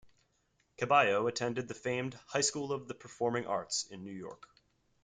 Ceballo attended the famed High School of the Performing Arts in New York.